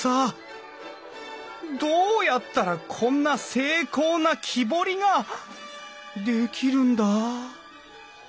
どうやったらこんな精巧な木彫りができるんだ？